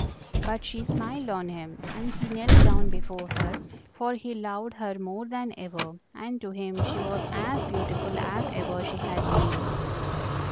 But she smiled on him, and he knelt down before her, for he loved her more than ever, and to him she was as beautiful as ever she had been.